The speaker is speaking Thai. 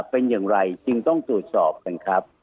เป็นอย่างไรจึงต้องตรวจสอบกันครับ